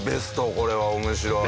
これは面白い。